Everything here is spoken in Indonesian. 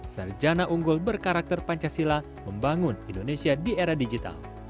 sarjana unggul berkarakter pancasila membangun indonesia di era digital